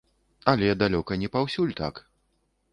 Але далёка не паўсюль так.